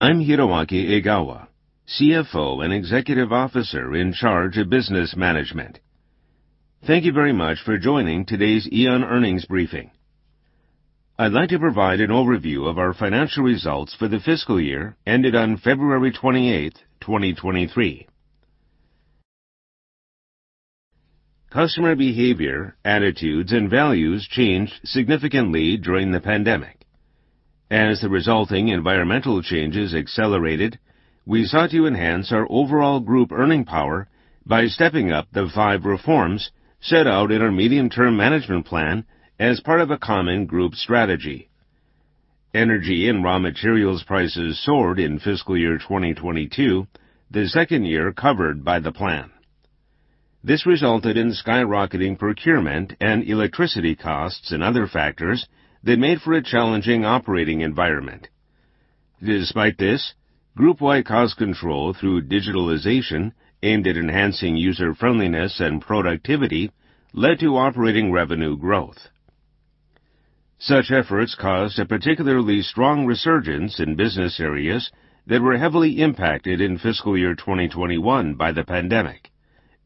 I'm Hiroaki Egawa, CFO and Executive Officer in charge of business management. Thank you very much for joining today's Aeon earnings briefing. I'd like to provide an overview of our financial results for the fiscal year ended on February 28th, 2023. Customer behavior, attitudes, and values changed significantly during the pandemic. As the resulting environmental changes accelerated, we sought to enhance our overall group earning power by stepping up the 5 reforms set out in our medium-term management plan as part of a common group strategy. Energy and raw materials prices soared in fiscal year 2022, the second year covered by the plan. This resulted in skyrocketing procurement and electricity costs and other factors that made for a challenging operating environment. Despite this, group-wide cost control through digitalization aimed at enhancing user-friendliness and productivity led to operating revenue growth. Such efforts caused a particularly strong resurgence in business areas that were heavily impacted in fiscal year 2021 by the pandemic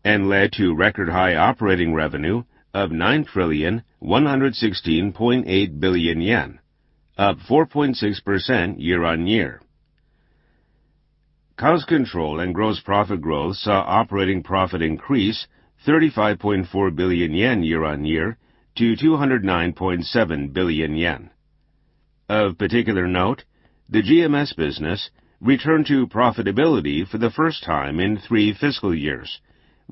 and led to record high operating revenue of 9,116.8 billion yen, up 4.6% year-on-year. Cost control and gross profit growth saw operating profit increase 35.4 billion yen year-on-year to 209.7 billion yen. Of particular note, the GMS business returned to profitability for the first time in three fiscal years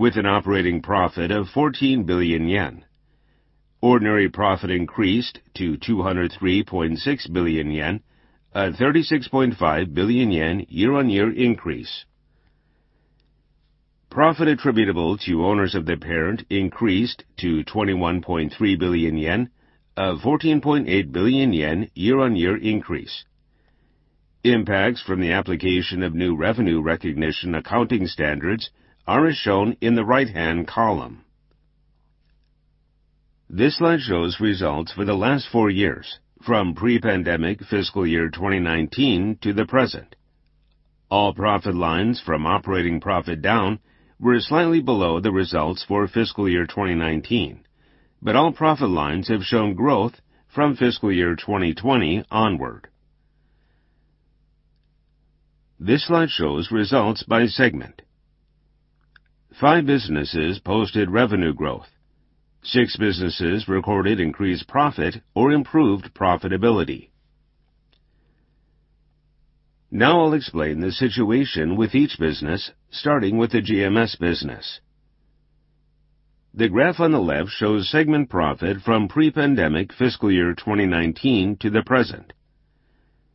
with an operating profit of 14 billion yen. Ordinary profit increased to 203.6 billion yen, a 36.5 billion yen year-on-year increase. Profit attributable to owners of the parent increased to 21.3 billion yen, a 14.8 billion yen year-on-year increase. Impacts from the application of new revenue recognition accounting standards are as shown in the right-hand column. This slide shows results for the last four years, from pre-pandemic fiscal year 2019 to the present. All profit lines from operating profit down were slightly below the results for fiscal year 2019, but all profit lines have shown growth from fiscal year 2020 onward. This slide shows results by segment. Five businesses posted revenue growth, six businesses recorded increased profit or improved profitability. Now I'll explain the situation with each business, starting with the GMS business. The graph on the left shows segment profit from pre-pandemic fiscal year 2019 to the present.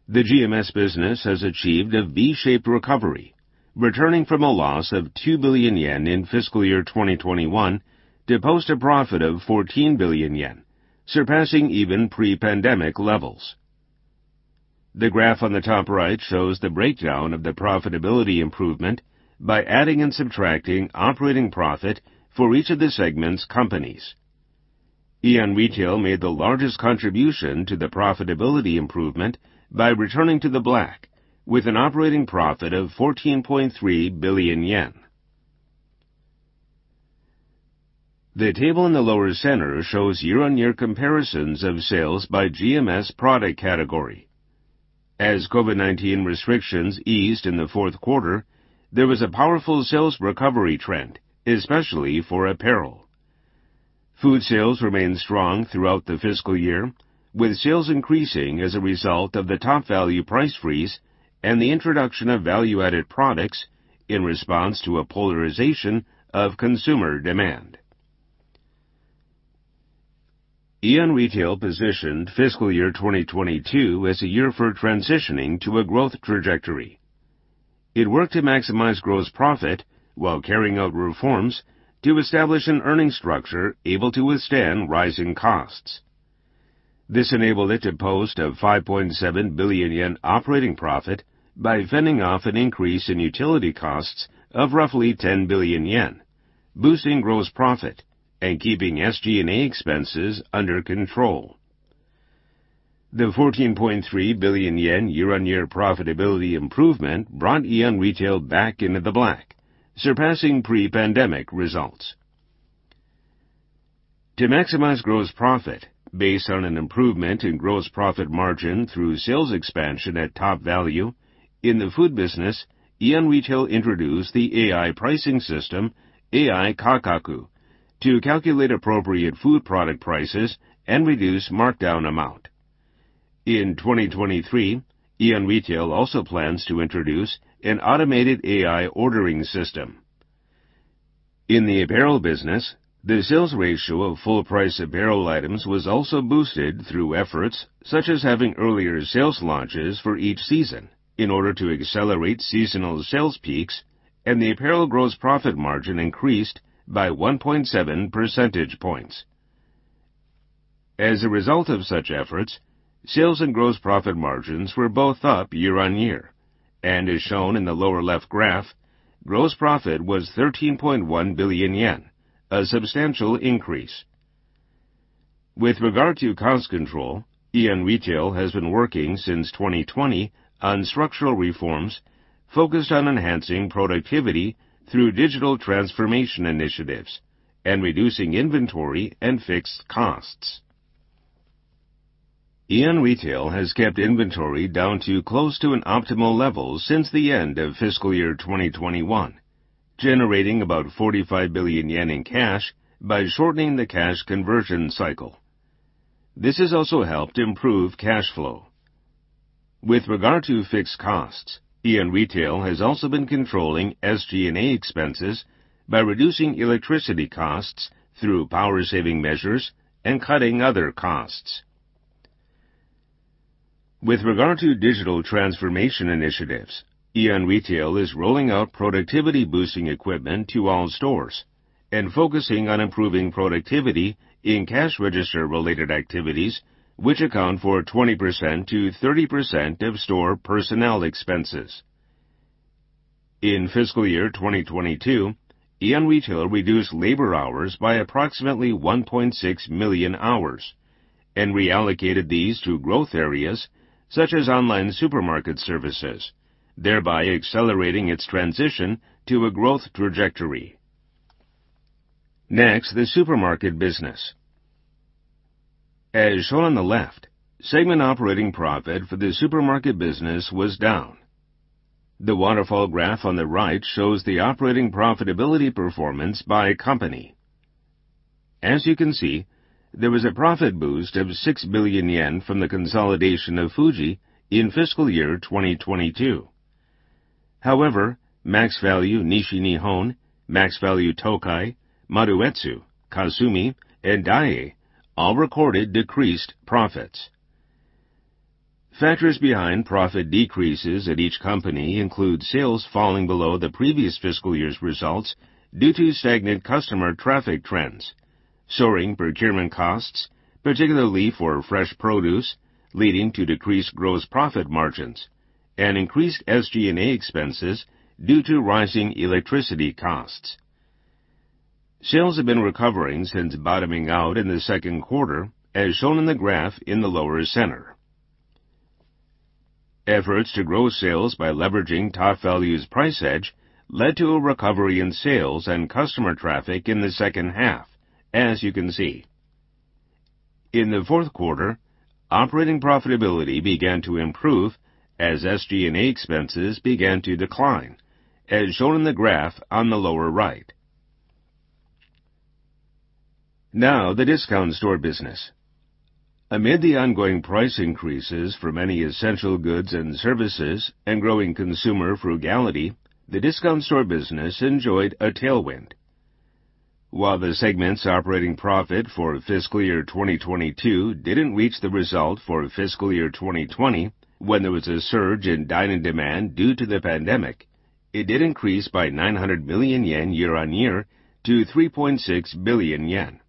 The GMS business has achieved a V-shaped recovery, returning from a loss of 2 billion yen in fiscal year 2021 to post a profit of 14 billion yen, surpassing even pre-pandemic levels. The graph on the top right shows the breakdown of the profitability improvement by adding and subtracting operating profit for each of the segment's companies. Aeon Retail made the largest contribution to the profitability improvement by returning to the block with an operating profit of 14.3 billion yen. The table in the lower center shows year-on-year comparisons of sales by GMS product category. As COVID-19 restrictions eased in the fourth quarter, there was a powerful sales recovery trend, especially for apparel. Food sales remained strong throughout the fiscal year, with sales increasing as a result of the Topvalu price freeze and the introduction of value-added products in response to a polarization of consumer demand. Aeon Retail positioned fiscal year 2022 as a year for transitioning to a growth trajectory. It worked to maximize gross profit while carrying out reforms to establish an earning structure able to withstand rising costs. This enabled it to post a 5.7 billion yen operating profit by fending off an increase in utility costs of roughly 10 billion yen, boosting gross profit and keeping SG&A expenses under control. The 14.3 billion yen year-on-year profitability improvement brought Aeon Retail back into the block, surpassing pre-pandemic results. To maximize gross profit based on an improvement in gross profit margin through sales expansion at Topvalu in the food business, Aeon Retail introduced the AI pricing system, AI Kakaku, to calculate appropriate food product prices and reduce markdown amount. In 2023, Aeon Retail also plans to introduce an automated AI ordering system. In the apparel business, the sales ratio of full price apparel items was also boosted through efforts such as having earlier sales launches for each season in order to accelerate seasonal sales peaks and the apparel gross profit margin increased by 1.7 percentage points. As a result of such efforts, sales and gross profit margins were both up year-on-year. As shown in the lower left graph, gross profit was 13.1 billion yen, a substantial increase. With regard to cost control, Aeon Retail has been working since 2020 on structural reforms focused on enhancing productivity through digital transformation initiatives and reducing inventory and fixed costs. Aeon Retail has kept inventory down to close to an optimal level since the end of fiscal year 2021, generating about 45 billion yen in cash by shortening the cash conversion cycle. This has also helped improve cash flow. With regard to fixed costs, Aeon Retail has also been controlling SG&A expenses by reducing electricity costs through power-saving measures and cutting other costs. With regard to digital transformation initiatives, Aeon Retail is rolling out productivity-boosting equipment to all stores and focusing on improving productivity in cash register-related activities, which account for 20% to 30% of store personnel expenses. In fiscal year 2022, Aeon Retail reduced labor hours by approximately 1.6 million hours and reallocated these to growth areas such as online supermarket services, thereby accelerating its transition to a growth trajectory. Next, the supermarket business. As shown on the left, segment operating profit for the supermarket business was down. The waterfall graph on the right shows the operating profitability performance by company. As you can see, there was a profit boost of 6 billion yen from the consolidation of Fuji in fiscal year 2022. However, Maxvalu Nishinihon, Maxvalu Tokai, Maruetsu, Kasumi, and Daiei all recorded decreased profits. Factors behind profit decreases at each company include sales falling below the previous fiscal year's results due to stagnant customer traffic trends, soaring procurement costs, particularly for fresh produce, leading to decreased gross profit margins and increased SG&A expenses due to rising electricity costs. Sales have been recovering since bottoming out in the second quarter, as shown in the graph in the lower center. Efforts to grow sales by leveraging Topvalu's price edge led to a recovery in sales and customer traffic in the second half, as you can see. In the fourth quarter, operating profitability began to improve as SG&A expenses began to decline, as shown in the graph on the lower right. The discount store business. Amid the ongoing price increases for many essential goods and services and growing consumer frugality, the discount store business enjoyed a tailwind. While the segment's operating profit for fiscal year 2022 didn't reach the result for fiscal year 2020, when there was a surge in dine-in demand due to the pandemic, it did increase by 900 million yen year-on-year to 3.6 billion yen.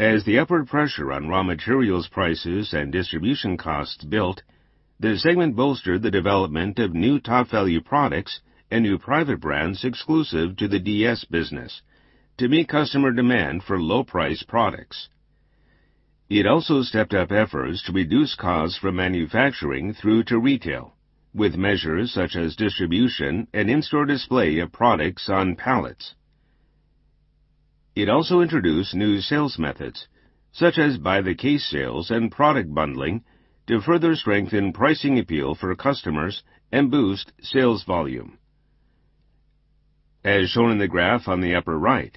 As the upward pressure on raw materials prices and distribution costs built, the segment bolstered the development of new Topvalu products and new private brands exclusive to the DS business to meet customer demand for low-price products. It also stepped up efforts to reduce costs from manufacturing through to retail with measures such as distribution and in-store display of products on pallets. It also introduced new sales methods such as by-the-case sales and product bundling to further strengthen pricing appeal for customers and boost sales volume. As shown in the graph on the upper right,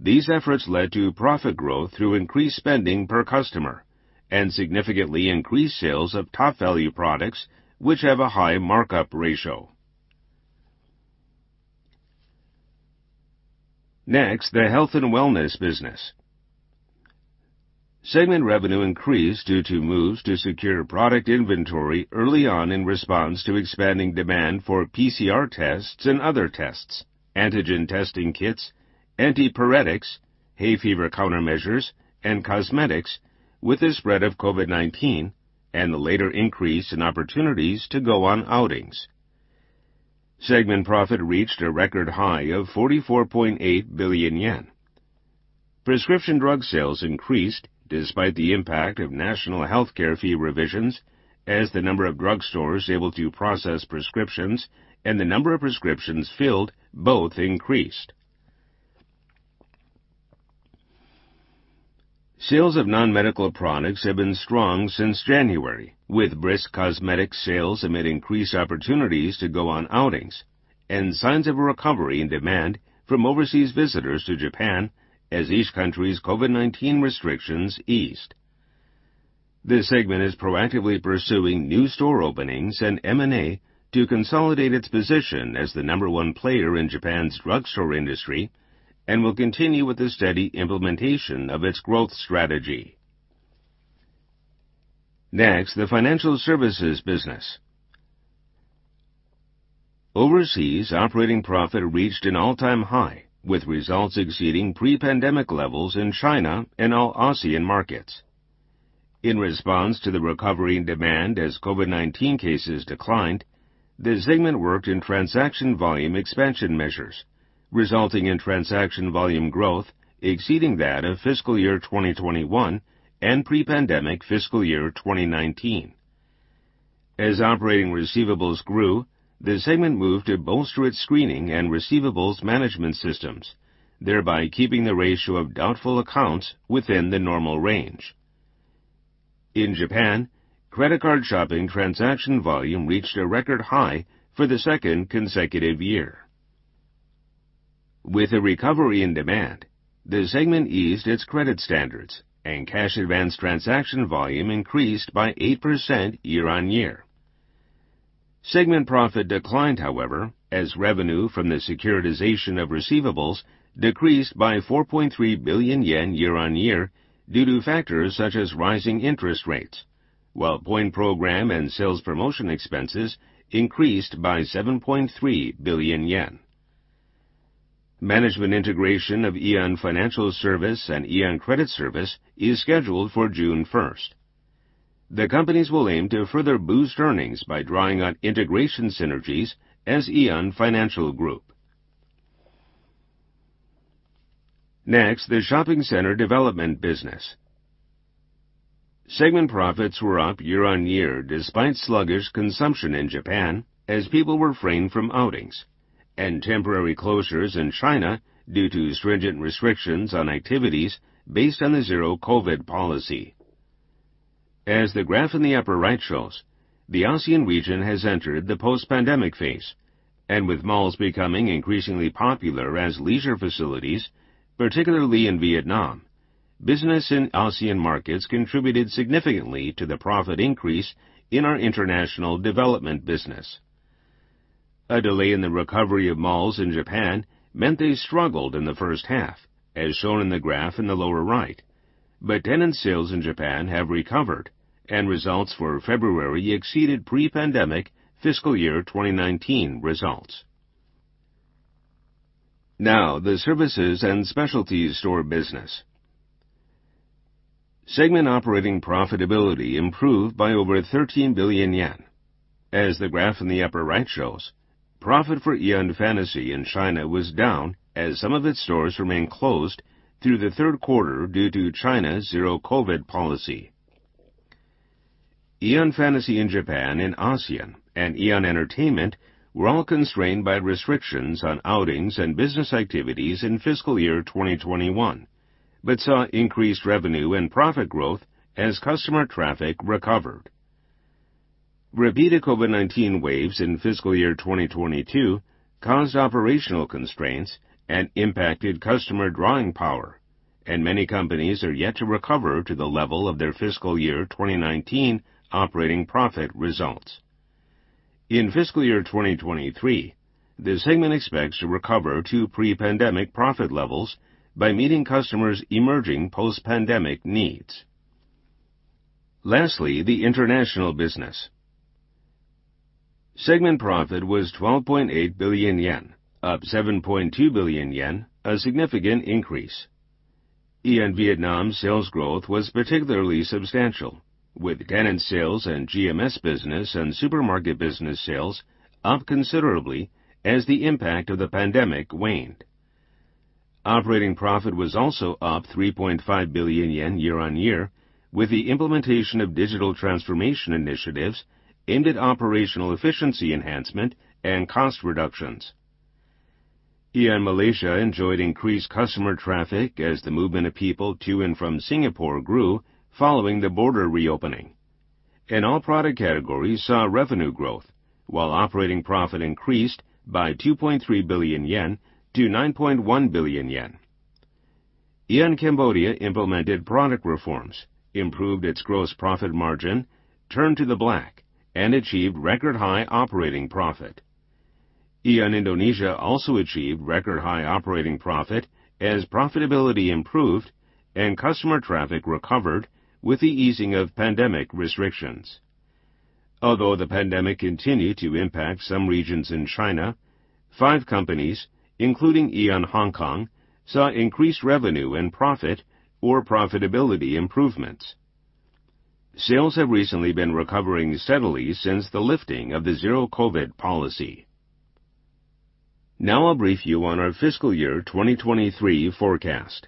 these efforts led to profit growth through increased spending per customer and significantly increased sales of Topvalu products, which have a high markup ratio. The health and wellness business. Segment revenue increased due to moves to secure product inventory early on in response to expanding demand for PCR tests and other tests, antigen testing kits, antipyretics, hay fever countermeasures, and cosmetics with the spread of COVID-19 and the later increase in opportunities to go on outings. Segment profit reached a record high of 44.8 billion yen. Prescription drug sales increased despite the impact of national healthcare fee revisions as the number of drugstores able to process prescriptions and the number of prescriptions filled both increased. Sales of non-medical products have been strong since January, with brisk cosmetic sales amid increased opportunities to go on outings and signs of a recovery in demand from overseas visitors to Japan as each country's COVID-19 restrictions eased. This segment is proactively pursuing new store openings and M&A to consolidate its position as the number one player in Japan's drugstore industry and will continue with the steady implementation of its growth strategy. Next, the financial services business. Overseas operating profit reached an all-time high, with results exceeding pre-pandemic levels in China and all ASEAN markets. In response to the recovery in demand as COVID-19 cases declined, the segment worked in transaction volume expansion measures, resulting in transaction volume growth exceeding that of fiscal year 2021 and pre-pandemic fiscal year 2019. As operating receivables grew, the segment moved to bolster its screening and receivables management systems, thereby keeping the ratio of doubtful accounts within the normal range. In Japan, credit card shopping transaction volume reached a record high for the second consecutive year. With a recovery in demand, the segment eased its credit standards and cash advance transaction volume increased by 8% year-on-year. Segment profit declined, however, as revenue from the securitization of receivables decreased by 4.3 billion yen year-on-year due to factors such as rising interest rates, while point program and sales promotion expenses increased by 7.3 billion yen. Management integration of Aeon Financial Service and Aeon Credit Service is scheduled for June 1st. The companies will aim to further boost earnings by drawing on integration synergies as Aeon Financial Group. Next, the shopping center development business. Segment profits were up year-on-year despite sluggish consumption in Japan as people refrained from outings and temporary closures in China due to stringent restrictions on activities based on the zero-COVID policy. As the graph in the upper right shows, the ASEAN region has entered the post-pandemic phase, and with malls becoming increasingly popular as leisure facilities, particularly in Vietnam, business in ASEAN markets contributed significantly to the profit increase in our international development business. A delay in the recovery of malls in Japan meant they struggled in the first half, as shown in the graph in the lower right. Tenant sales in Japan have recovered, and results for February exceeded pre-pandemic fiscal year 2019 results. The services and specialties store business. Segment operating profitability improved by over 13 billion yen. As the graph in the upper right shows, profit for Aeon Fantasy in China was down as some of its stores remained closed through the third quarter due to China's Zero COVID policy. Aeon Fantasy in Japan and ASEAN and Aeon Entertainment were all constrained by restrictions on outings and business activities in fiscal year 2021, but saw increased revenue and profit growth as customer traffic recovered. Repeated COVID-19 waves in fiscal year 2022 caused operational constraints and impacted customer drawing power, and many companies are yet to recover to the level of their fiscal year 2019 operating profit results. In fiscal year 2023, the segment expects to recover to pre-pandemic profit levels by meeting customers' emerging post-pandemic needs. Lastly, the international business. Segment profit was 12.8 billion yen, up 7.2 billion yen, a significant increase. Aeon Vietnam's sales growth was particularly substantial, with tenant sales and GMS business and supermarket business sales up considerably as the impact of the pandemic waned. Operating profit was also up 3.5 billion yen year-on-year, with the implementation of digital transformation initiatives aimed at operational efficiency enhancement and cost reductions. Aeon Malaysia enjoyed increased customer traffic as the movement of people to and from Singapore grew following the border reopening, and all product categories saw revenue growth, while operating profit increased by 2.3 billion yen to 9.1 billion yen. Aeon Cambodia implemented product reforms, improved its gross profit margin, turned to the block, and achieved record-high operating profit. Aeon Indonesia also achieved record-high operating profit as profitability improved and customer traffic recovered with the easing of pandemic restrictions. Although the pandemic continued to impact some regions in China, five companies, including Aeon Hong Kong, saw increased revenue and profit or profitability improvements. Sales have recently been recovering steadily since the lifting of the zero-COVID policy. A brief view on our fiscal year 2023 forecast.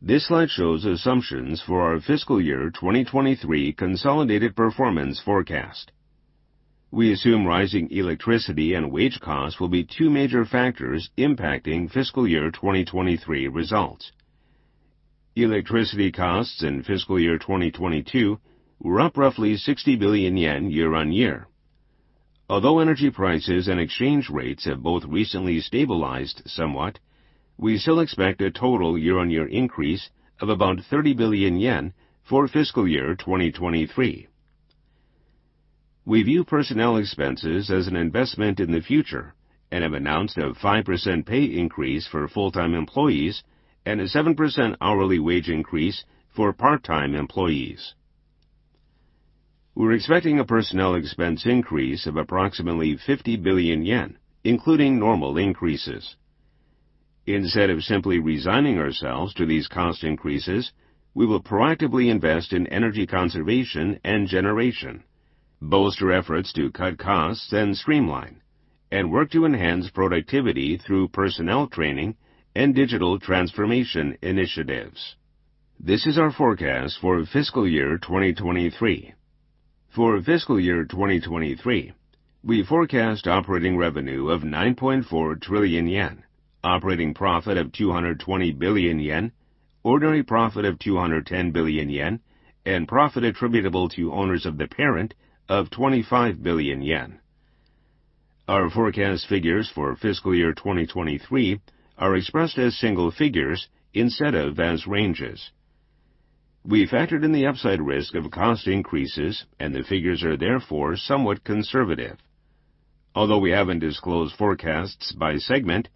This slide shows assumptions for our fiscal year 2023 consolidated performance forecast. We assume rising electricity and wage costs will be two major factors impacting fiscal year 2023 results. Electricity costs in fiscal year 2022 were up roughly 60 billion yen year-on-year. Energy prices and exchange rates have both recently stabilized somewhat, we still expect a total year-on-year increase of about 30 billion yen for fiscal year 2023. We view personnel expenses as an investment in the future and have announced a 5% pay increase for full-time employees and a 7% hourly wage increase for part-time employees. We're expecting a personnel expense increase of approximately 50 billion yen, including normal increases. Instead of simply resigning ourselves to these cost increases, we will proactively invest in energy conservation and generation, bolster efforts to cut costs and streamline, and work to enhance productivity through personnel training and digital transformation initiatives. This is our forecast for fiscal year 2023. For fiscal year 2023, we forecast operating revenue of 9.4 trillion yen, operating profit of 220 billion yen, ordinary profit of 210 billion yen, and profit attributable to owners of the parent of 25 billion yen. Our forecast figures for fiscal year 2023 are expressed as single figures instead of as ranges. We factored in the upside risk of cost increases and the figures are therefore somewhat conservative. Although we haven't disclosed forecasts by segment,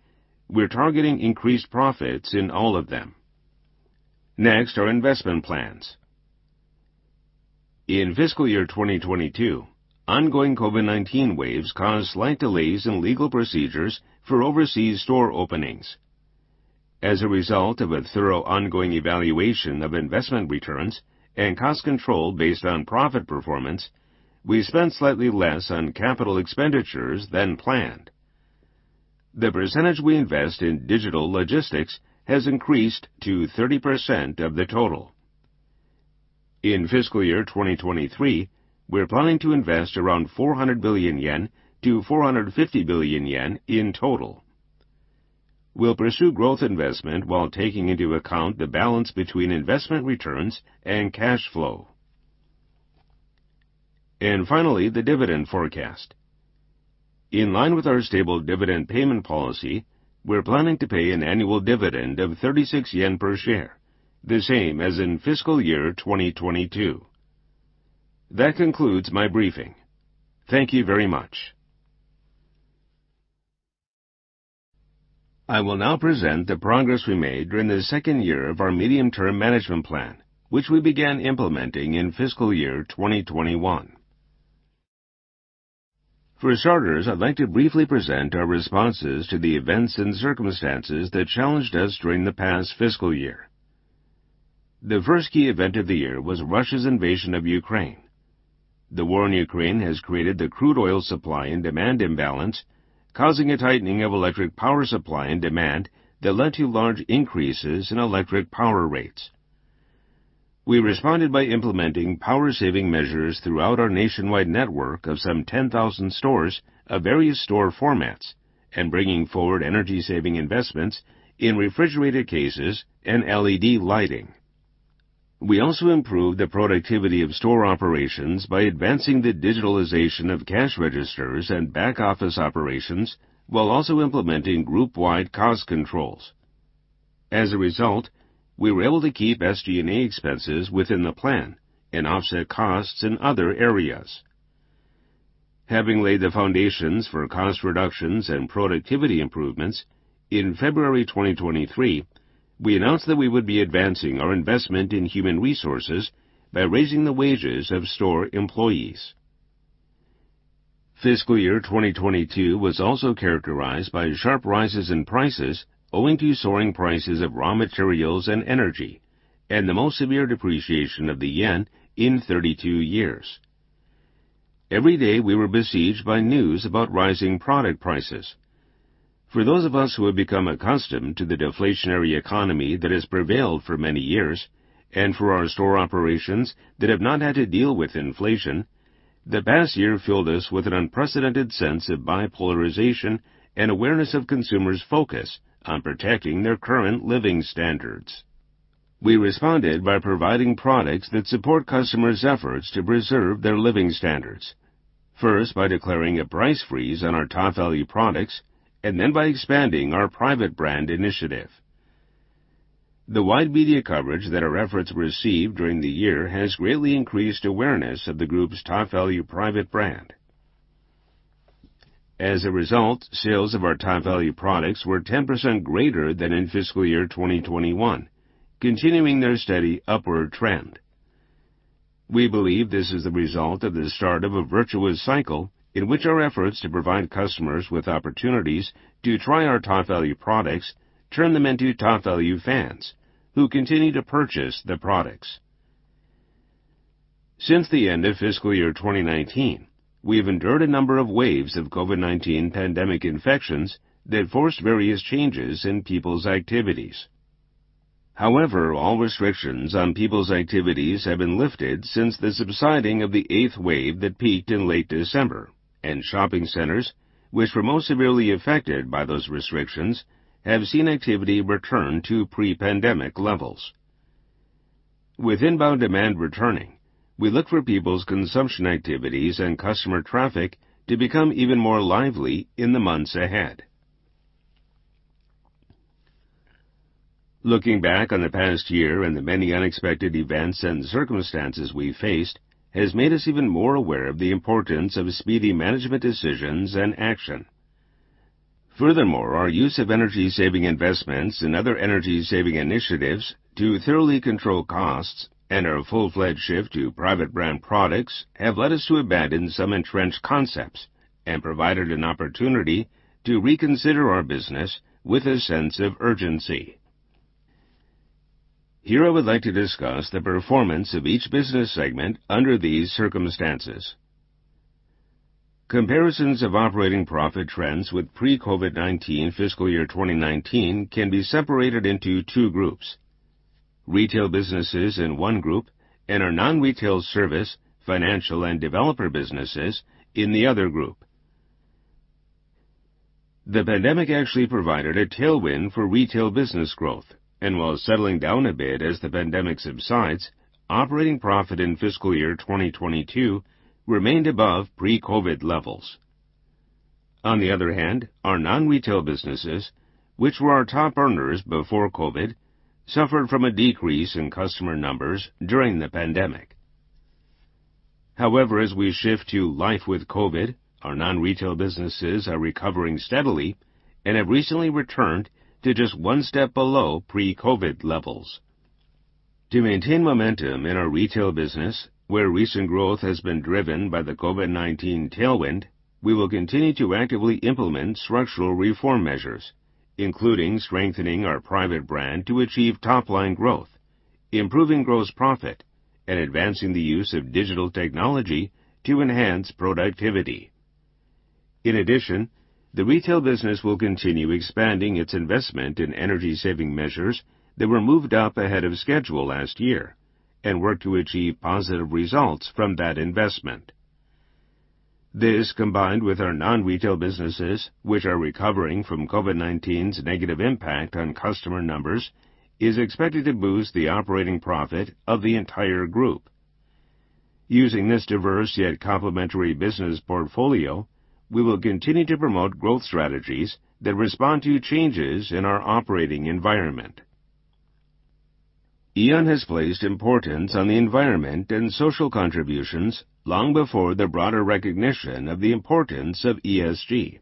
we're targeting increased profits in all of them. Next, our investment plans. In fiscal year 2022, ongoing COVID-19 waves caused slight delays in legal procedures for overseas store openings. As a result of a thorough ongoing evaluation of investment returns and cost control based on profit performance, we spent slightly less on capital expenditures than planned. The percentage we invest in digital logistics has increased to 30% of the total. In fiscal year 2023, we're planning to invest around 400 billion yen to 450 billion yen in total. We'll pursue growth investment while taking into account the balance between investment returns and cash flow. Finally, the dividend forecast. In line with our stable dividend payment policy, we're planning to pay an annual dividend of 36 yen per share, the same as in fiscal year 2022. That concludes my briefing. Thank you very much. I will now present the progress we made during the second year of our medium-term management plan, which we began implementing in fiscal year 2021. For starters, I'd like to briefly present our responses to the events and circumstances that challenged us during the past fiscal year. The first key event of the year was Russia's invasion of Ukraine. The war in Ukraine has created the crude oil supply and demand imbalance, causing a tightening of electric power supply and demand that led to large increases in electric power rates. We responded by implementing power saving measures throughout our nationwide network of some 10,000 stores of various store formats and bringing forward energy-saving investments in refrigerated cases and LED lighting. We also improved the productivity of store operations by advancing the digitalization of cash registers and back-office operations while also implementing group-wide cost controls. As a result, we were able to keep SG&A expenses within the plan and offset costs in other areas. Having laid the foundations for cost reductions and productivity improvements, in February 2023, we announced that we would be advancing our investment in human resources by raising the wages of store employees. Fiscal year 2022 was also characterized by sharp rises in prices owing to soaring prices of raw materials and energy, and the most severe depreciation of the yen in 32 years. Every day, we were besieged by news about rising product prices. For those of us who have become accustomed to the deflationary economy that has prevailed for many years, and for our store operations that have not had to deal with inflation, the past year filled us with an unprecedented sense of bipolarization and awareness of consumers' focus on protecting their current living standards. We responded by providing products that support customers' efforts to preserve their living standards. First, by declaring a price freeze on our Topvalu products, then by expanding our private brand initiative. The wide media coverage that our efforts received during the year has greatly increased awareness of the group's Topvalu private brand. As a result, sales of our Topvalu products were 10% greater than in fiscal year 2021, continuing their steady upward trend. We believe this is the result of the start of a virtuous cycle in which our efforts to provide customers with opportunities to try our Topvalu products turn them into Topvalu fans who continue to purchase the products. Since the end of fiscal year 2019, we have endured a number of waves of COVID-19 pandemic infections that forced various changes in people's activities. All restrictions on people's activities have been lifted since the subsiding of the eighth wave that peaked in late December, and shopping centers, which were most severely affected by those restrictions, have seen activity return to pre-pandemic levels. With inbound demand returning, we look for people's consumption activities and customer traffic to become even more lively in the months ahead. Looking back on the past year and the many unexpected events and circumstances we faced has made us even more aware of the importance of speedy management decisions and action. Our use of energy-saving investments and other energy-saving initiatives to thoroughly control costs and our full-fledged shift to private brand products have led us to abandon some entrenched concepts and provided an opportunity to reconsider our business with a sense of urgency. Here, I would like to discuss the performance of each business segment under these circumstances. Comparisons of operating profit trends with pre-COVID-19 fiscal year 2019 can be separated into two groups: retail businesses in one group and our non-retail service, financial, and developer businesses in the other group. The pandemic actually provided a tailwind for retail business growth, and while settling down a bit as the pandemic subsides, operating profit in fiscal year 2022 remained above pre-COVID levels. On the other hand, our non-retail businesses, which were our top earners before COVID, suffered from a decrease in customer numbers during the pandemic. However, as we shift to life with COVID, our non-retail businesses are recovering steadily and have recently returned to just one step below pre-COVID levels. To maintain momentum in our retail business, where recent growth has been driven by the COVID-19 tailwind, we will continue to actively implement structural reform measures, including strengthening our private brand to achieve top-line growth, improving gross profit, and advancing the use of digital technology to enhance productivity. In addition, the retail business will continue expanding its investment in energy-saving measures that were moved up ahead of schedule last year and work to achieve positive results from that investment. This, combined with our non-retail businesses, which are recovering from COVID-19's negative impact on customer numbers, is expected to boost the operating profit of the entire group. Using this diverse yet complementary business portfolio, we will continue to promote growth strategies that respond to changes in our operating environment. Aeon has placed importance on the environment and social contributions long before the broader recognition of the importance of ESG.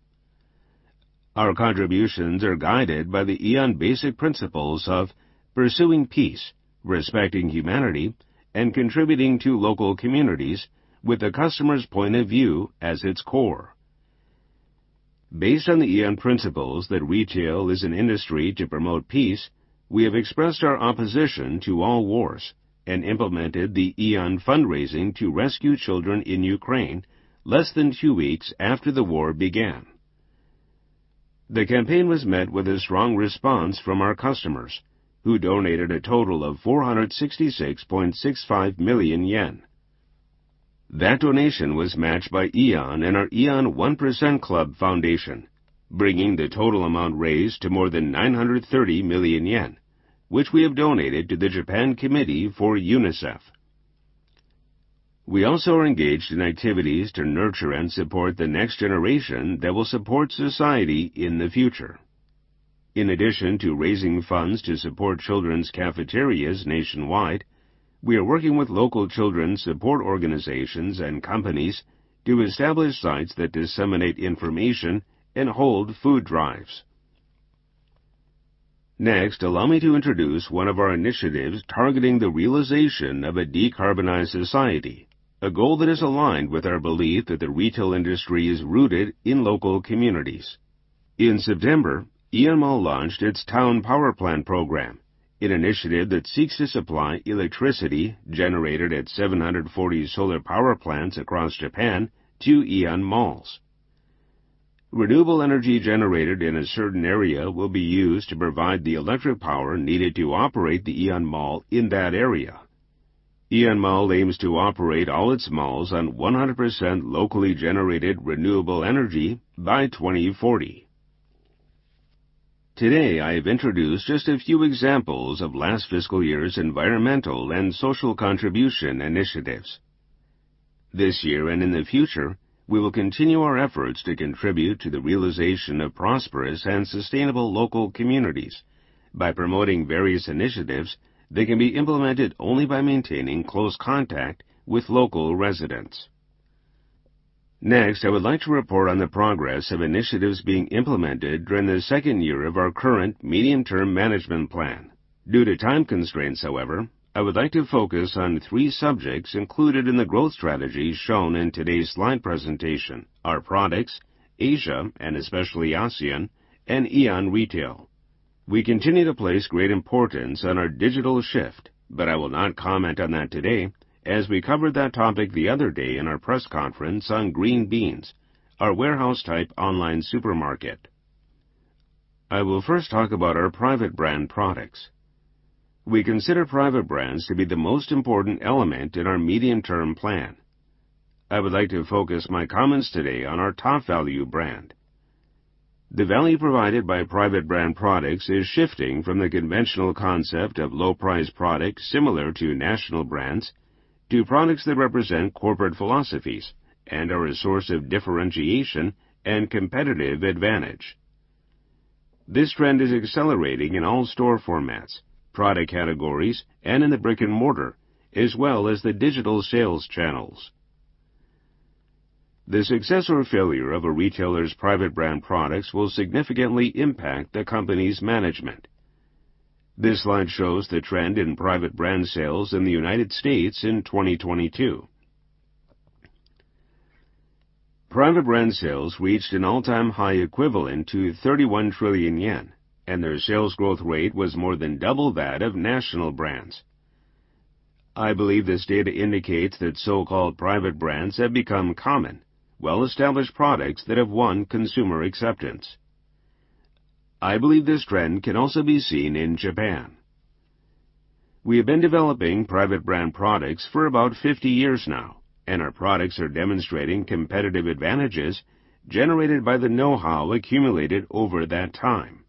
Our contributions are guided by the Aeon basic principles of pursuing peace, respecting humanity, and contributing to local communities with the customer's point of view as its core. Based on the Aeon principles that retail is an industry to promote peace, we have expressed our opposition to all wars and implemented the Aeon fundraising to rescue children in Ukraine less than two weeks after the war began. The campaign was met with a strong response from our customers, who donated a total of 466.65 million yen. That donation was matched by Aeon and our Aeon 1% Club Foundation, bringing the total amount raised to more than 930 million yen, which we have donated to the Japan Committee for UNICEF. We also are engaged in activities to nurture and support the next generation that will support society in the future. In addition to raising funds to support children's cafeterias nationwide, we are working with local children's support organizations and companies to establish sites that disseminate information and hold food drives. Next, allow me to introduce one of our initiatives targeting the realization of a decarbonized society, a goal that is aligned with our belief that the retail industry is rooted in local communities. In September, Aeon Mall launched its Town Power Plant program, an initiative that seeks to supply electricity generated at 740 solar power plants across Japan to Aeon Malls. Renewable energy generated in a certain area will be used to provide the electric power needed to operate the Aeon Mall in that area. Aeon Mall aims to operate all its Malls on 100% locally generated renewable energy by 2040. Today, I have introduced just a few examples of last fiscal year's environmental and social contribution initiatives. This year and in the future, we will continue our efforts to contribute to the realization of prosperous and sustainable local communities by promoting various initiatives that can be implemented only by maintaining close contact with local residents. Next, I would like to report on the progress of initiatives being implemented during the second year of our current medium-term management plan. Due to time constraints, however, I would like to focus on three subjects included in the growth strategies shown in today's slide presentation: our products, Asia, and especially ASEAN, and Aeon Retail. We continue to place great importance on our digital shift, but I will not comment on that today as we covered that topic the other day in our press conference on Green Beans, our warehouse-type online supermarket. I will first talk about our private brand products. We consider private brands to be the most important element in our medium-term plan. I would like to focus my comments today on our Topvalu brand. The value provided by private brand products is shifting from the conventional concept of low-priced products similar to national brands to products that represent corporate philosophies and are a source of differentiation and competitive advantage. This trend is accelerating in all store formats, product categories, and in the brick-and-mortar, as well as the digital sales channels. The success or failure of a retailer's private brand products will significantly impact the company's management. This slide shows the trend in private brand sales in the United States in 2022. Private brand sales reached an all-time high equivalent to 31 trillion yen, and their sales growth rate was more than double that of national brands. I believe this data indicates that so-called private brands have become common, well-established products that have won consumer acceptance. I believe this trend can also be seen in Japan. We have been developing private brand products for about 50 years now, and our products are demonstrating competitive advantages generated by the know-how accumulated over that time.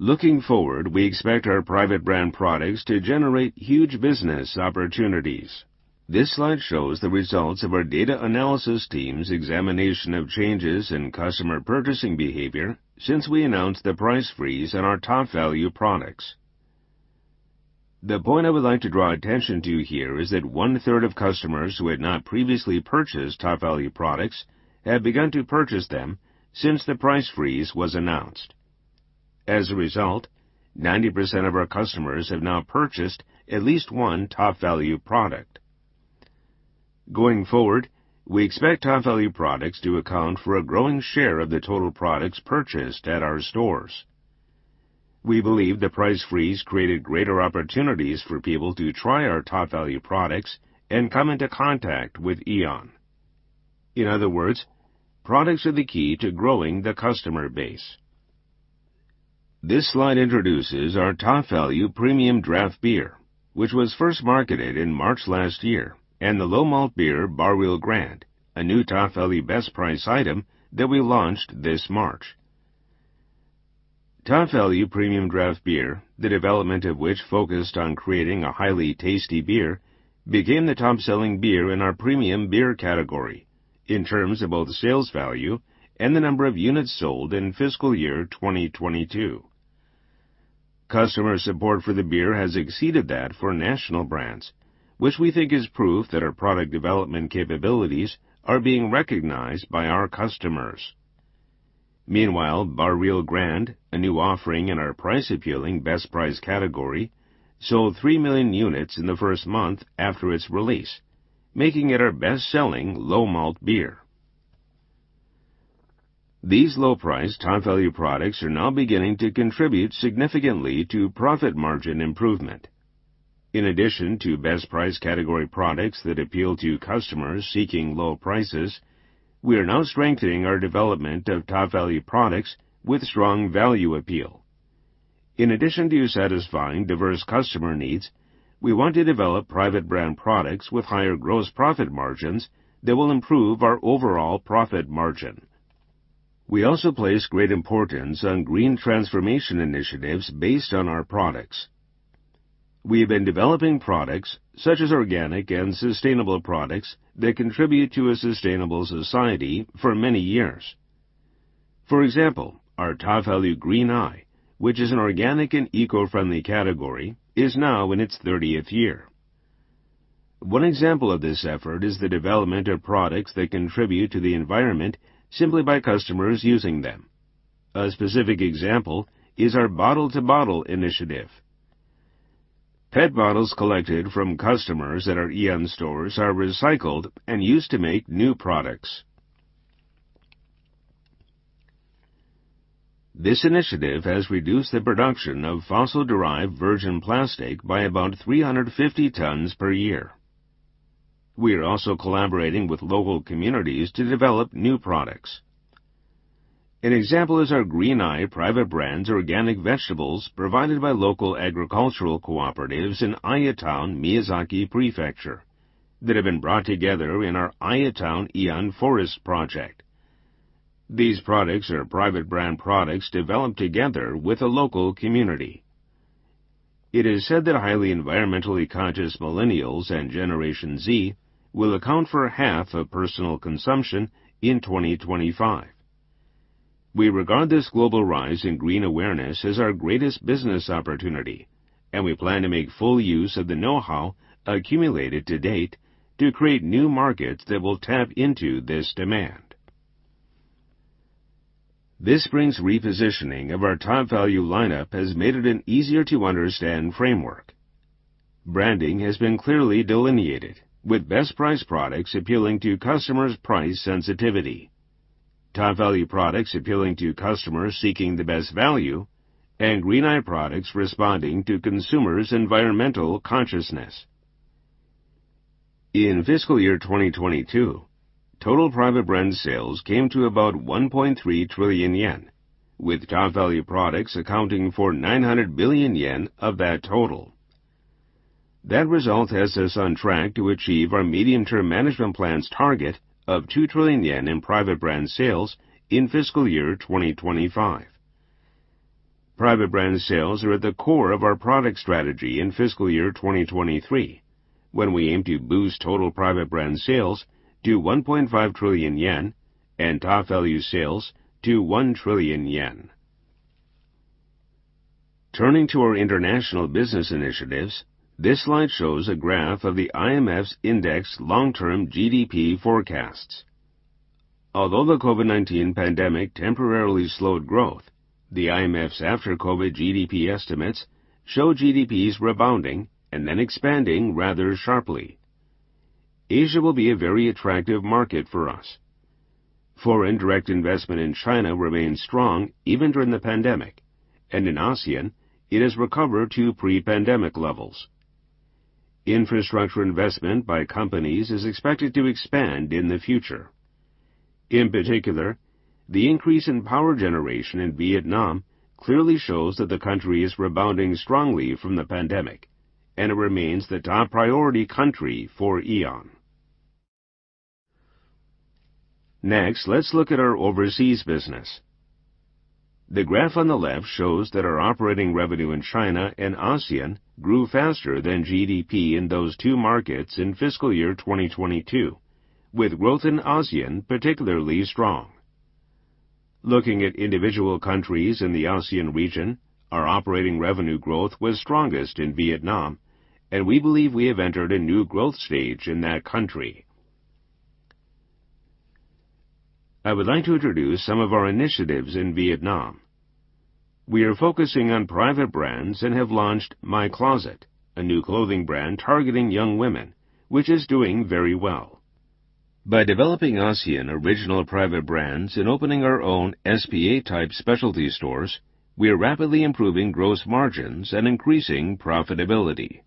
Looking forward, we expect our private brand products to generate huge business opportunities. This slide shows the results of our data analysis team's examination of changes in customer purchasing behavior since we announced the price freeze on our Topvalu products. The point I would like to draw attention to here is that one-third of customers who had not previously purchased Topvalu products have begun to purchase them since the price freeze was announced. As a result, 90% of our customers have now purchased at least one Topvalu product. Going forward, we expect Topvalu products to account for a growing share of the total products purchased at our stores. We believe the price freeze created greater opportunities for people to try our Topvalu products and come into contact with Aeon. In other words, products are the key to growing the customer base. This slide introduces our Topvalu Premium Draft Beer, which was first marketed in March last year, and the low-malt beer Barreal Grand, a new Topvalu Best Price item that we launched this March. Topvalu Premium Draft Beer, the development of which focused on creating a highly tasty beer, became the top-selling beer in our premium beer category in terms of both sales value and the number of units sold in fiscal year 2022. Customer support for the beer has exceeded that for national brands, which we think is proof that our product development capabilities are being recognized by our customers. Meanwhile, Barreal Grand, a new offering in our price-appealing Best Price category, sold 3 million units in the first month after its release, making it our best-selling low-malt beer. These low-priced Topvalu products are now beginning to contribute significantly to profit margin improvement. In addition to Best Price category products that appeal to customers seeking low prices, we are now strengthening our development of Topvalu products with strong value appeal. In addition to satisfying diverse customer needs, we want to develop private brand products with higher gross profit margins that will improve our overall profit margin. We also place great importance on green transformation initiatives based on our products. We have been developing products such as organic and sustainable products that contribute to a sustainable society for many years. For example, our Topvalu Green Eye, which is an organic and eco-friendly category, is now in its 30th year. One example of this effort is the development of products that contribute to the environment simply by customers using them. A specific example is our Bottle-to-Bottle initiative. PET bottles collected from customers at our Aeon stores are recycled and used to make new products. This initiative has reduced the production of fossil-derived virgin plastic by about 350 tons per year. We are also collaborating with local communities to develop new products. An example is our Green Eye private brand's organic vegetables provided by local agricultural cooperatives in Aya Town, Miyazaki Prefecture, that have been brought together in our Aya Town Aeon Forest Project. These products are private brand products developed together with a local community. It is said that highly environmentally conscious millennials and Generation Z will account for half of personal consumption in 2025. We regard this global rise in green awareness as our greatest business opportunity, and we plan to make full use of the know-how accumulated to date to create new markets that will tap into this demand. This spring's repositioning of our Topvalu lineup has made it an easier-to-understand framework. Branding has been clearly delineated, with Best Price products appealing to customers' price sensitivity, Topvalu products appealing to customers seeking the best value, and Green Eye products responding to consumers' environmental consciousness. In fiscal year 2022, total private brand sales came to about 1.3 trillion yen, with Topvalu products accounting for 900 billion yen of that total. That result has us on track to achieve our medium-term management plan's target of 2 trillion yen in private brand sales in fiscal year 2025. Private brand sales are at the core of our product strategy in fiscal year 2023, when we aim to boost total private brand sales to 1.5 trillion yen and Topvalu sales to 1 trillion yen. Turning to our international business initiatives, this slide shows a graph of the IMF's index long-term GDP forecasts. Although the COVID-19 pandemic temporarily slowed growth, the IMF's after COVID GDP estimates show GDPs rebounding and then expanding rather sharply. Asia will be a very attractive market for us. Foreign direct investment in China remains strong even during the pandemic, and in ASEAN, it has recovered to pre-pandemic levels. Infrastructure investment by companies is expected to expand in the future. In particular, the increase in power generation in Vietnam clearly shows that the country is rebounding strongly from the pandemic, and it remains the top priority country for Aeon. Next, let's look at our overseas business. The graph on the left shows that our operating revenue in China and ASEAN grew faster than GDP in those two markets in fiscal year 2022, with growth in ASEAN particularly strong. Looking at individual countries in the ASEAN region, our operating revenue growth was strongest in Vietnam, and we believe we have entered a new growth stage in that country. I would like to introduce some of our initiatives in Vietnam. We are focusing on private brands and have launched My Closet, a new clothing brand targeting young women, which is doing very well. By developing ASEAN original private brands and opening our own SPA-type specialty stores, we are rapidly improving gross margins and increasing profitability.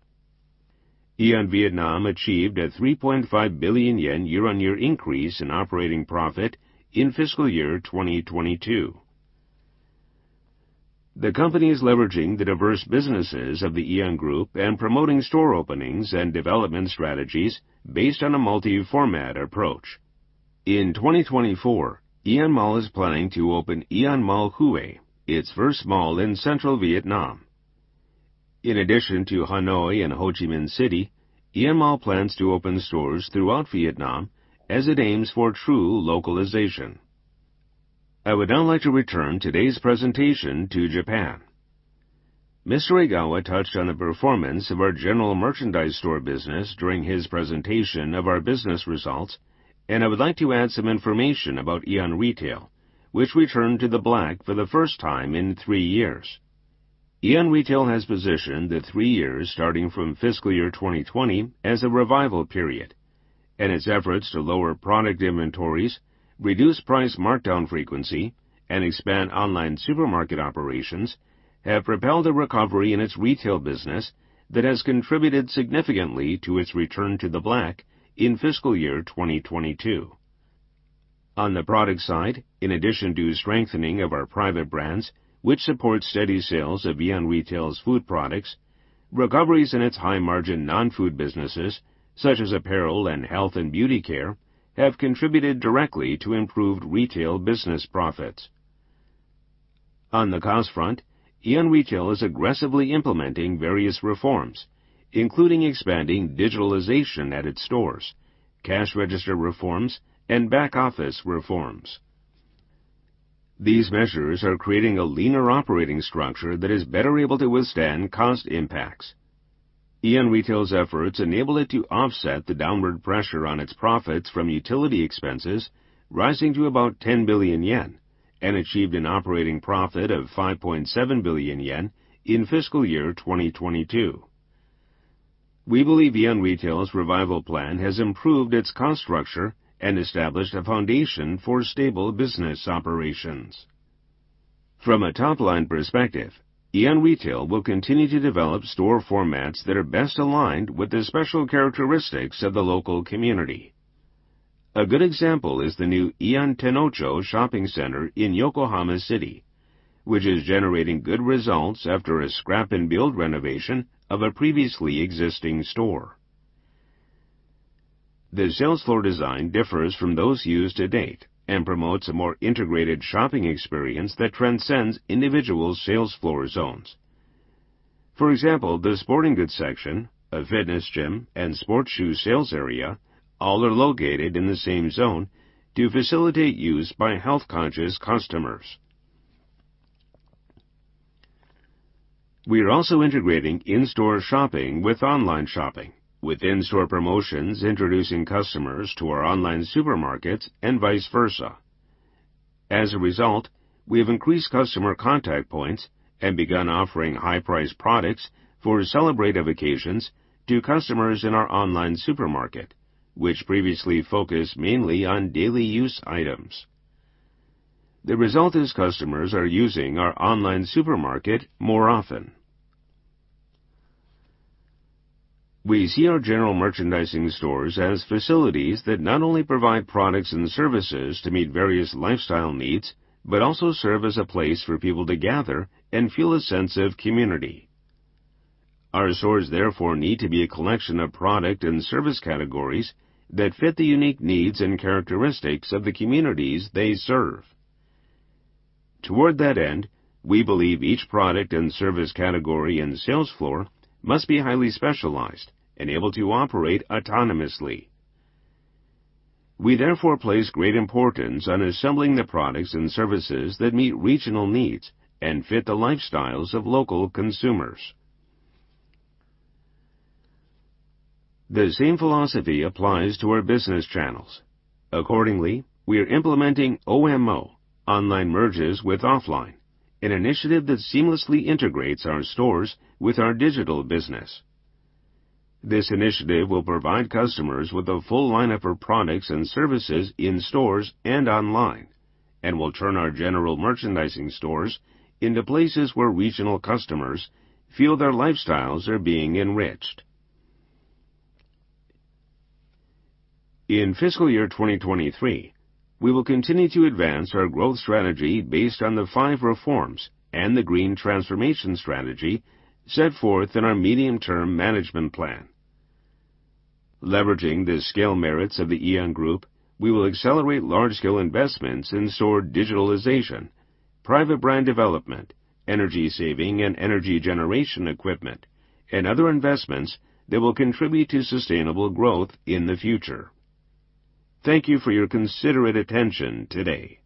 Aeon Vietnam achieved a 3.5 billion yen year-on-year increase in operating profit in fiscal year 2022. The company is leveraging the diverse businesses of the Aeon Group and promoting store openings and development strategies based on a multi-format approach. In 2024, Aeon Mall is planning to open Aeon Mall Hue, its first mall in central Vietnam. In addition to Hanoi and Ho Chi Minh City, Aeon Mall plans to open stores throughout Vietnam as it aims for true localization. I would now like to return today's presentation to Japan. Mr. Egawa touched on the performance of our general merchandise store business during his presentation of our business results. I would like to add some information about Aeon Retail, which returned to the block for the first time in three years. Aeon Retail has positioned the three years starting from fiscal year 2020 as a revival period. Its efforts to lower product inventories, reduce price markdown frequency, and expand online supermarket operations have propelled a recovery in its retail business that has contributed significantly to its return to the block in fiscal year 2022. On the product side, in addition to strengthening of our private brands, which support steady sales of Aeon Retail's food products, recoveries in its high-margin non-food businesses, such as apparel and health and beauty care, have contributed directly to improved retail business profits. On the cost front, Aeon Retail is aggressively implementing various reforms, including expanding digitalization at its stores, cash register reforms, and back-office reforms. These measures are creating a leaner operating structure that is better able to withstand cost impacts. Aeon Retail's efforts enable it to offset the downward pressure on its profits from utility expenses rising to about 10 billion yen and achieved an operating profit of 5.7 billion yen in fiscal year 2022. We believe Aeon Retail's revival plan has improved its cost structure and established a foundation for stable business operations. From a top-line perspective, Aeon Retail will continue to develop store formats that are best aligned with the special characteristics of the local community. A good example is the new Aeon Tennōchō Shopping Center in Yokohama City, which is generating good results after a scrap-and-build renovation of a previously existing store. The sales floor design differs from those used to date and promotes a more integrated shopping experience that transcends individual sales floor zones. For example, the sporting goods section, a fitness gym, and sports shoe sales area all are located in the same zone to facilitate use by health-conscious customers. We are also integrating in-store shopping with online shopping, with in-store promotions introducing customers to our online supermarket and vice versa. As a result, we have increased customer contact points and begun offering high-priced products for celebrative occasions to customers in our online supermarket, which previously focused mainly on daily use items. The result is customers are using our online supermarket more often. We see our general merchandising stores as facilities that not only provide products and services to meet various lifestyle needs but also serve as a place for people to gather and feel a sense of community. Our stores therefore need to be a collection of product and service categories that fit the unique needs and characteristics of the communities they serve. Toward that end, we believe each product and service category and sales floor must be highly specialized and able to operate autonomously. We therefore place great importance on assembling the products and services that meet regional needs and fit the lifestyles of local consumers. The same philosophy applies to our business channels. Accordingly, we are implementing OMO, Online Merges with Offline, an initiative that seamlessly integrates our stores with our digital business. This initiative will provide customers with a full lineup of products and services in stores and online and will turn our general merchandising stores into places where regional customers feel their lifestyles are being enriched. In fiscal year 2023, we will continue to advance our growth strategy based on the five reforms and the green transformation strategy set forth in our medium-term management plan. Leveraging the scale merits of the Aeon Group, we will accelerate large-scale investments in store digitalization, private brand development, energy saving and energy generation equipment, and other investments that will contribute to sustainable growth in the future. Thank you for your considerate attention today.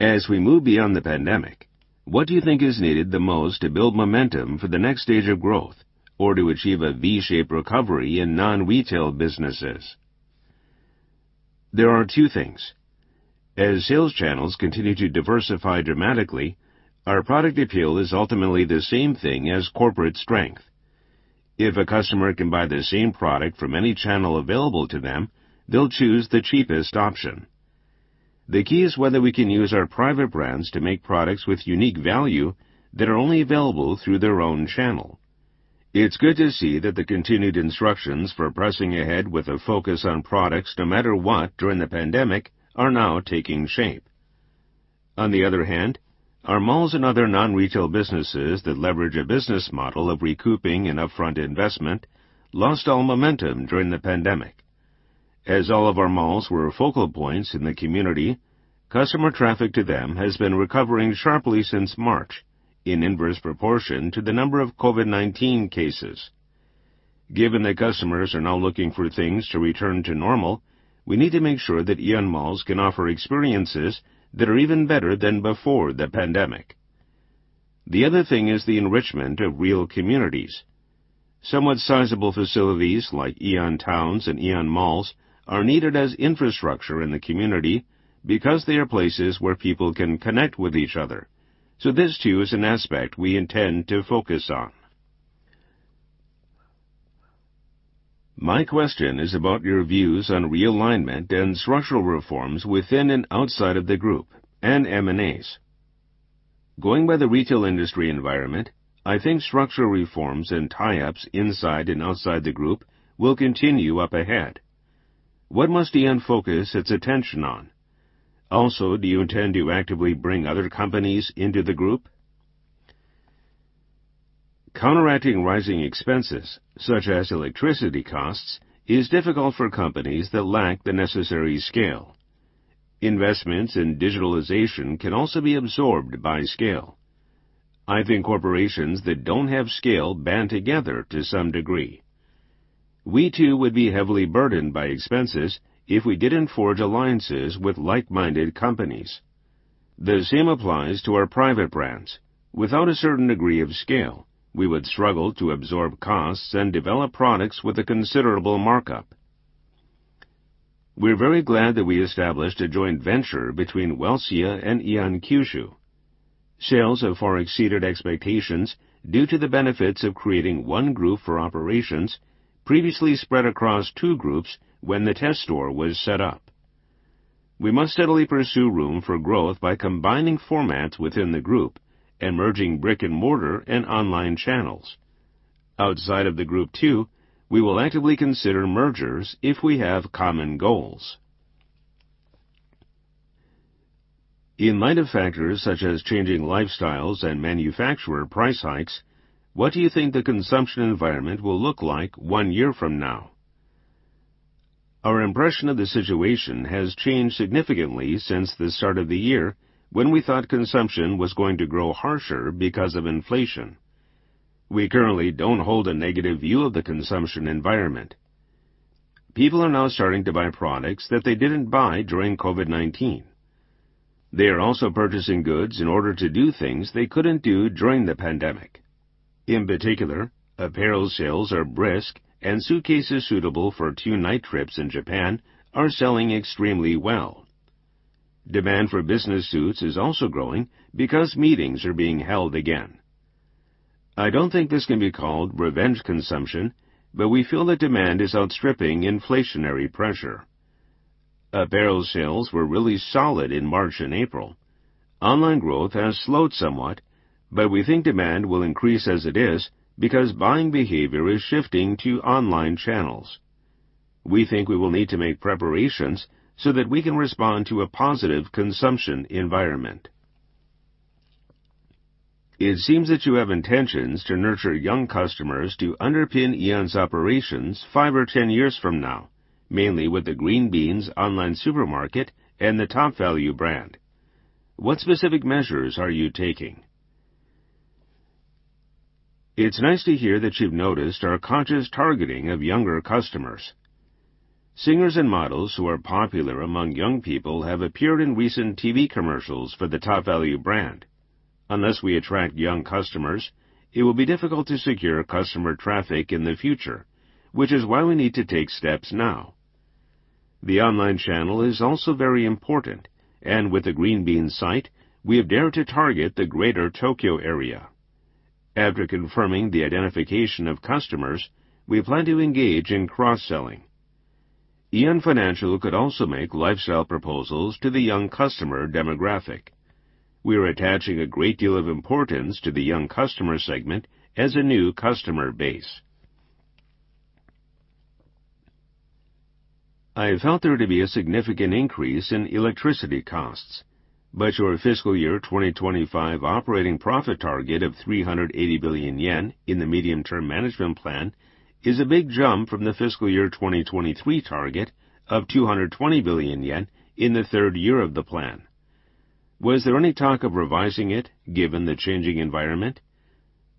As we move beyond the pandemic, what do you think is needed the most to build momentum for the next stage of growth or to achieve a V-shaped recovery in non-retail businesses? There are two things. As sales channels continue to diversify dramatically, our product appeal is ultimately the same thing as corporate strength. If a customer can buy the same product from any channel available to them, they'll choose the cheapest option. The key is whether we can use our private brands to make products with unique value that are only available through their own channel. It's good to see that the continued instructions for pressing ahead with a focus on products no matter what during the pandemic are now taking shape. On the other hand, our malls and other non-retail businesses that leverage a business model of recouping an upfront investment lost all momentum during the pandemic. As all of our malls were focal points in the community, customer traffic to them has been recovering sharply since March in inverse proportion to the number of COVID-19 cases. Given that customers are now looking for things to return to normal, we need to make sure that Aeon Malls can offer experiences that are even better than before the pandemic. The other thing is the enrichment of real communities. Somewhat sizable facilities like Aeon Towns and Aeon Malls are needed as infrastructure in the community because they are places where people can connect with each other. This too is an aspect we intend to focus on. My question is about your views on realignment and structural reforms within and outside of the Group and M&As. Going by the retail industry environment, I think structural reforms and tie-ups inside and outside the Group will continue up ahead. What must Aeon focus its attention on? Do you intend to actively bring other companies into the Group? Counteracting rising expenses, such as electricity costs, is difficult for companies that lack the necessary scale. Investments in digitalization can also be absorbed by scale. I think corporations that don't have scale band together to some degree. We too would be heavily burdened by expenses if we didn't forge alliances with like-minded companies. The same applies to our private brands. Without a certain degree of scale, we would struggle to absorb costs and develop products with a considerable markup. We're very glad that we established a joint venture between Welcia and Aeon Kyushu. Sales have far exceeded expectations due to the benefits of creating one group for operations previously spread across two groups when the test store was set up. We must steadily pursue room for growth by combining formats within the group and merging brick-and-mortar and online channels. Outside of the group too, we will actively consider mergers if we have common goals. In light of factors such as changing lifestyles and manufacturer price hikes, what do you think the consumption environment will look like one year from now? Our impression of the situation has changed significantly since the start of the year when we thought consumption was going to grow harsher because of inflation. We currently don't hold a negative view of the consumption environment. People are now starting to buy products that they didn't buy during COVID-19. They are also purchasing goods in order to do things they couldn't do during the pandemic. In particular, apparel sales are brisk and suitcases suitable for two-night trips in Japan are selling extremely well. Demand for business suits is also growing because meetings are being held again. I don't think this can be called revenge consumption. We feel that demand is outstripping inflationary pressure. Apparel sales were really solid in March and April. Online growth has slowed somewhat. We think demand will increase as it is because buying behavior is shifting to online channels. We think we will need to make preparations so that we can respond to a positive consumption environment. It seems that you have intentions to nurture young customers to underpin Aeon's operations five or 10 years from now, mainly with the Green Beans online supermarket and the Topvalu brand. What specific measures are you taking? It's nice to hear that you've noticed our conscious targeting of younger customers. Singers and models who are popular among young people have appeared in recent TV commercials for the Topvalu brand. Unless we attract young customers, it will be difficult to secure customer traffic in the future, which is why we need to take steps now. The online channel is also very important, and with the Green Beans site, we have dared to target the Greater Tokyo area. After confirming the identification of customers, we plan to engage in cross-selling. Aeon Financial could also make lifestyle proposals to the young customer demographic. We are attaching a great deal of importance to the young customer segment as a new customer base. I felt there to be a significant increase in electricity costs, but your fiscal year 2025 operating profit target of 380 billion yen in the medium-term management plan is a big jump from the fiscal year 2023 target of 220 billion yen in the third year of the plan. Was there any talk of revising it given the changing environment?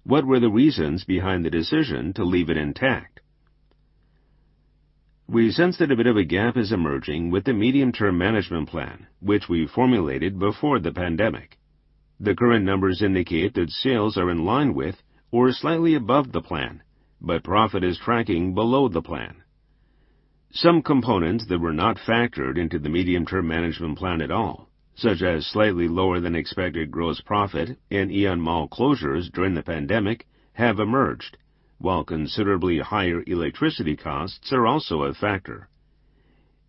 What were the reasons behind the decision to leave it intact? We sense that a bit of a gap is emerging with the medium-term management plan, which we formulated before the pandemic. The current numbers indicate that sales are in line with or slightly above the plan, but profit is tracking below the plan. Some components that were not factored into the medium-term management plan at all, such as slightly lower than expected gross profit and Aeon Mall closures during the pandemic have emerged, while considerably higher electricity costs are also a factor.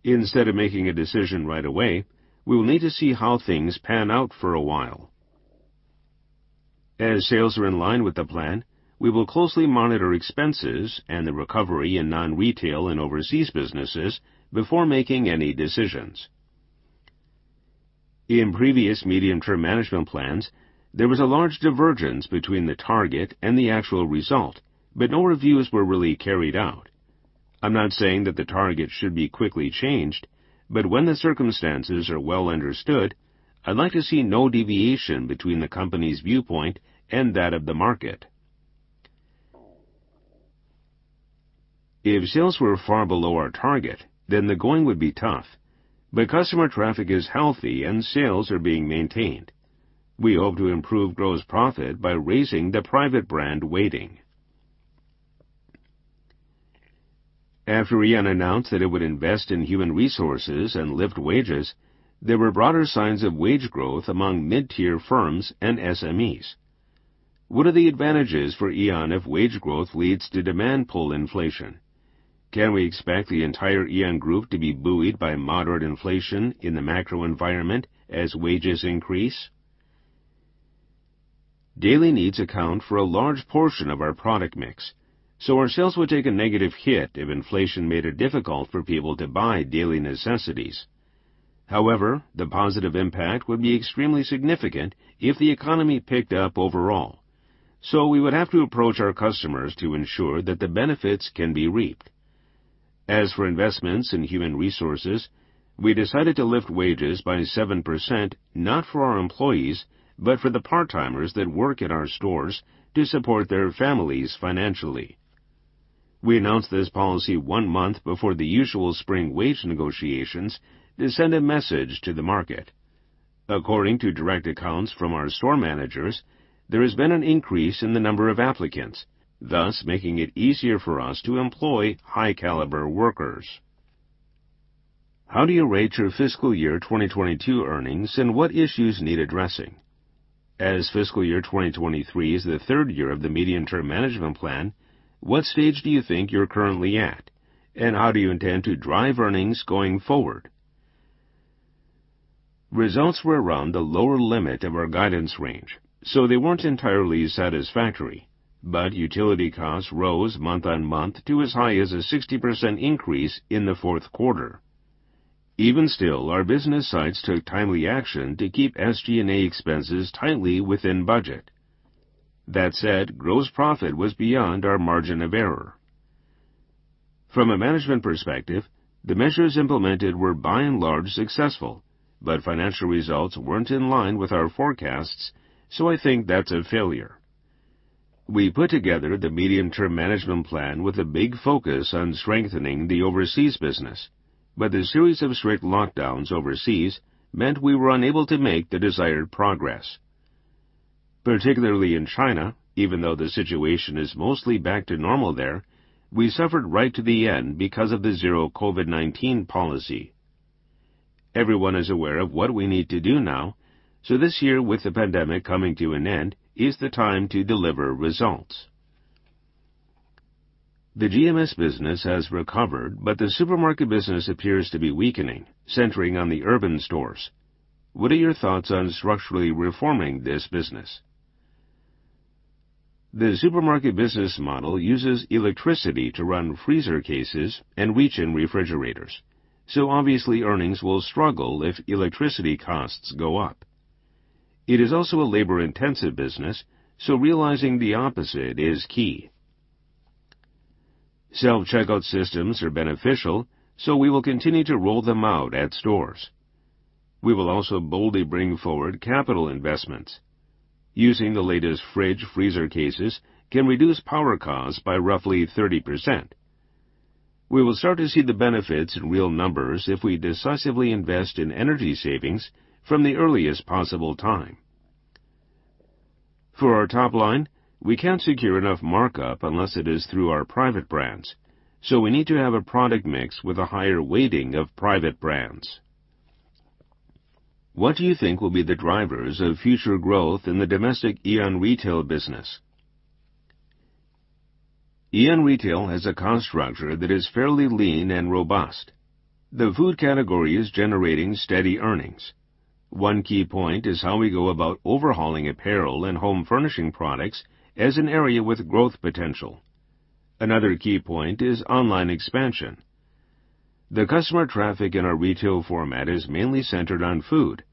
Instead of making a decision right away, we will need to see how things pan out for a while. As sales are in line with the plan, we will closely monitor expenses and the recovery in non-retail and overseas businesses before making any decisions. In previous medium-term management plans, there was a large divergence between the target and the actual result, but no reviews were really carried out. I'm not saying that the target should be quickly changed, but when the circumstances are well understood, I'd like to see no deviation between the company's viewpoint and that of the market. If sales were far below our target, then the going would be tough, but customer traffic is healthy and sales are being maintained. We hope to improve gross profit by raising the private brand weighting. After Aeon announced that it would invest in human resources and lift wages, there were broader signs of wage growth among mid-tier firms and SMEs. What are the advantages for Aeon if wage growth leads to demand pull inflation? Can we expect the entire Aeon Group to be buoyed by moderate inflation in the macro environment as wages increase? Daily needs account for a large portion of our product mix, so our sales would take a negative hit if inflation made it difficult for people to buy daily necessities. However, the positive impact would be extremely significant if the economy picked up overall. We would have to approach our customers to ensure that the benefits can be reaped. As for investments in human resources, we decided to lift wages by 7%, not for our employees, but for the part-timers that work at our stores to support their families financially. We announced this policy 1 month before the usual spring wage negotiations to send a message to the market. According to direct accounts from our store managers, there has been an increase in the number of applicants, thus making it easier for us to employ high caliber workers. How do you rate your fiscal year 2022 earnings and what issues need addressing? As fiscal year 2023 is the third year of the medium-term management plan, what stage do you think you're currently at, and how do you intend to drive earnings going forward? Results were around the lower limit of our guidance range, so they weren't entirely satisfactory, but utility costs rose month-on-month to as high as a 60% increase in the fourth quarter. Even still, our business sites took timely action to keep SG&A expenses tightly within budget. That said, gross profit was beyond our margin of error. From a management perspective, the measures implemented were by and large successful, but financial results weren't in line with our forecasts, so I think that's a failure. We put together the medium-term management plan with a big focus on strengthening the overseas business. The series of strict lockdowns overseas meant we were unable to make the desired progress. Particularly in China, even though the situation is mostly back to normal there, we suffered right to the end because of the zero COVID-19 policy. Everyone is aware of what we need to do now. This year, with the pandemic coming to an end, is the time to deliver results. The GMS business has recovered. The supermarket business appears to be weakening, centering on the urban stores. What are your thoughts on structurally reforming this business? The supermarket business model uses electricity to run freezer cases and reach-in refrigerators. Obviously, earnings will struggle if electricity costs go up. It is also a labor-intensive business. Realizing the opposite is key. Self-checkout systems are beneficial. We will continue to roll them out at stores. We will also boldly bring forward capital investments. Using the latest fridge-freezer cases can reduce power costs by roughly 30%. We will start to see the benefits in real numbers if we decisively invest in energy savings from the earliest possible time. For our top line, we can't secure enough markup unless it is through our private brands, so we need to have a product mix with a higher weighting of private brands. What do you think will be the drivers of future growth in the domestic Aeon Retail business? Aeon Retail has a cost structure that is fairly lean and robust. The food category is generating steady earnings. One key point is how we go about overhauling apparel and home furnishing products as an area with growth potential. Another key point is online expansion. The customer traffic in our retail format is mainly centered on food.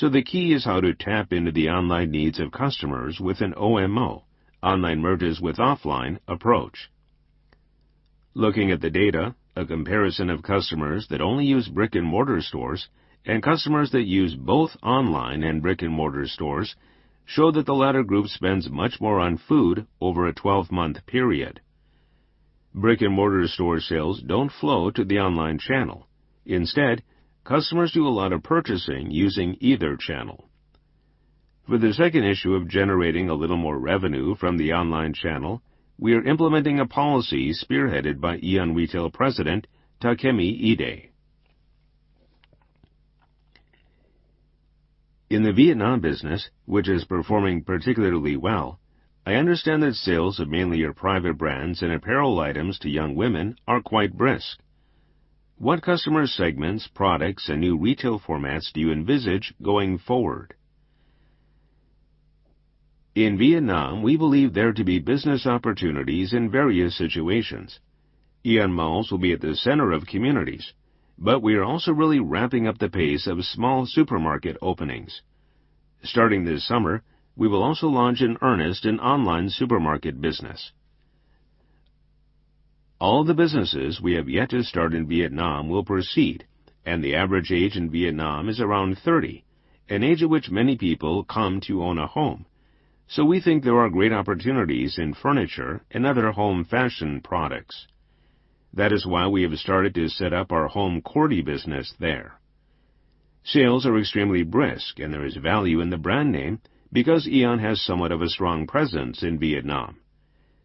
The key is how to tap into the online needs of customers with an OMO, Online Merges with Offline approach. Looking at the data, a comparison of customers that only use brick-and-mortar stores and customers that use both online and brick-and-mortar stores show that the latter group spends much more on food over a 12-month period. Brick-and-mortar store sales don't flow to the online channel. Instead, customers do a lot of purchasing using either channel. For the second issue of generating a little more revenue from the online channel, we are implementing a policy spearheaded by Aeon Retail President Takemi Ide. In the Vietnam business, which is performing particularly well, I understand that sales of mainly your private brands and apparel items to young women are quite brisk. What customer segments, products, and new retail formats do you envisage going forward? In Vietnam, we believe there to be business opportunities in various situations. Aeon Malls will be at the center of communities, we are also really ramping up the pace of small supermarket openings. Starting this summer, we will also launch in earnest an online supermarket business. All the businesses we have yet to start in Vietnam will proceed, the average age in Vietnam is around 30, an age at which many people come to own a home. We think there are great opportunities in furniture and other home fashion products. That is why we have started to set up our Home Coordy business there. Sales are extremely brisk, there is value in the brand name because Aeon has somewhat of a strong presence in Vietnam.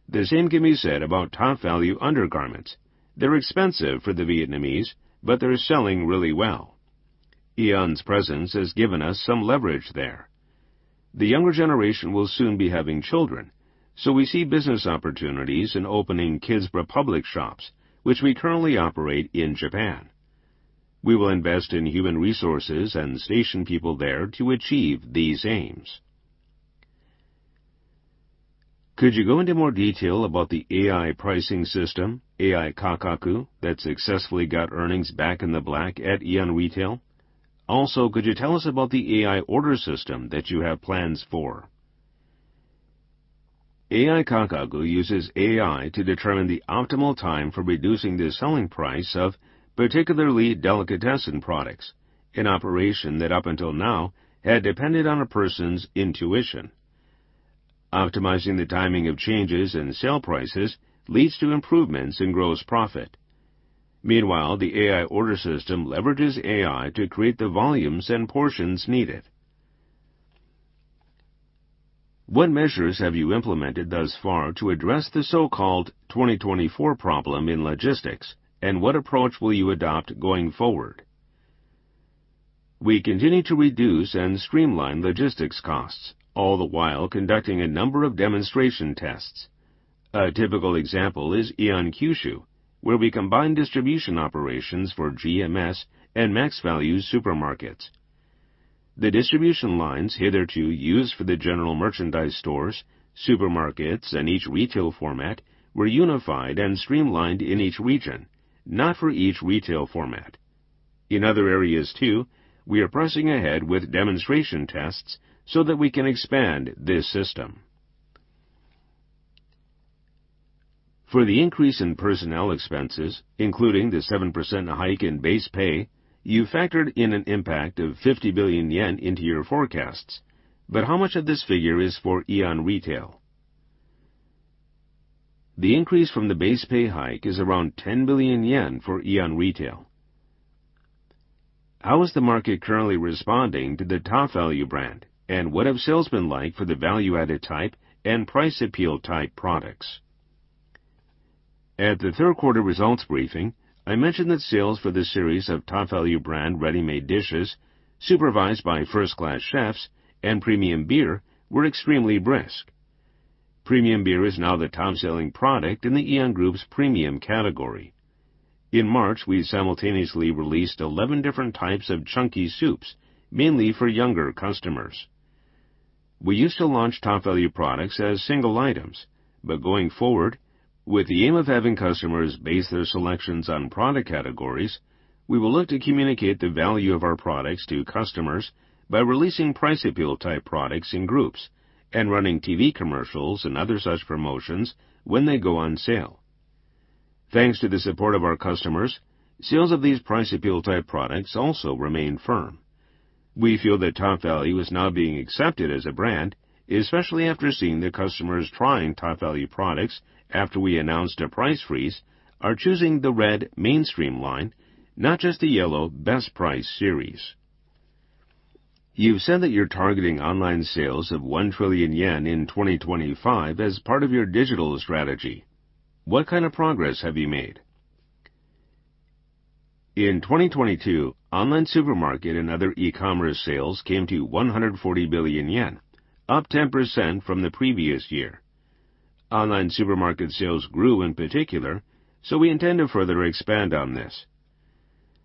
The same can be said about Topvalu undergarments. They're expensive for the Vietnamese, they're selling really well. Aeon's presence has given us some leverage there. The younger generation will soon be having children, so we see business opportunities in opening Kids Republic shops, which we currently operate in Japan. We will invest in human resources and station people there to achieve these aims. Could you go into more detail about the AI pricing system, AI Kakaku, that successfully got earnings back in the block at Aeon Retail? Could you tell us about the AI order system that you have plans for? AI Kakaku uses AI to determine the optimal time for reducing the selling price of particularly delicatessen products, an operation that up until now had depended on a person's intuition. Optimizing the timing of changes and sale prices leads to improvements in gross profit. Meanwhile, the AI order system leverages AI to create the volumes and portions needed. What measures have you implemented thus far to address the so-called 2024 problem in logistics, and what approach will you adopt going forward? We continue to reduce and streamline logistics costs, all the while conducting a number of demonstration tests. A typical example is Aeon Kyushu, where we combine distribution operations for GMS and MaxValu supermarkets. The distribution lines hitherto used for the general merchandise stores, supermarkets and each retail format were unified and streamlined in each region, not for each retail format. In other areas, too, we are pressing ahead with demonstration tests so that we can expand this system. For the increase in personnel expenses, including the 7% hike in base pay, you factored in an impact of 50 billion yen into your forecasts. How much of this figure is for Aeon Retail? The increase from the base pay hike is around 10 billion yen for Aeon Retail. How is the market currently responding to the Topvalu brand, and what have sales been like for the value-added type and price appeal-type products? At the third quarter results briefing, I mentioned that sales for the series of Topvalu brand ready-made dishes supervised by first-class chefs and premium beer were extremely brisk. Premium beer is now the top-selling product in the Aeon Group's premium category. In March, we simultaneously released 11 different types of chunky soups, mainly for younger customers. We used to launch Topvalu products as single items. Going forward, with the aim of having customers base their selections on product categories, we will look to communicate the value of our products to customers by releasing price appeal-type products in groups and running TV commercials and other such promotions when they go on sale. Thanks to the support of our customers, sales of these price appeal-type products also remain firm. We feel that Topvalu is now being accepted as a brand, especially after seeing the customers trying Topvalu products after we announced a price freeze are choosing the red mainstream line, not just the yellow Best Price series. You've said that you're targeting online sales of 1 trillion yen in 2025 as part of your digital strategy. What kind of progress have you made? 2022, online supermarket and other e-commerce sales came to 140 billion yen, up 10% from the previous year. Online supermarket sales grew in particular, we intend to further expand on this.